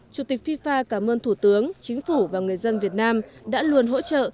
chủ tịch fifa cảm ơn thủ tướng chính phủ và người dân việt nam đã luôn hỗ trợ